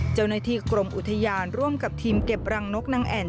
เจ้าหน้าที่กรมอุทยานร่วมกับทีมเก็บรังนกนางแอ่น